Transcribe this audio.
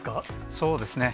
そうですね。